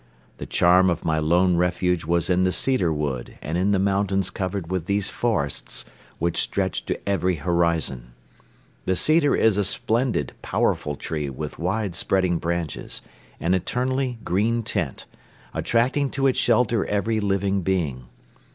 The charm of my lone refuge was in the cedar wood and in the mountains covered with these forests which stretched to every horizon. The cedar is a splendid, powerful tree with wide spreading branches, an eternally green tent, attracting to its shelter every living being.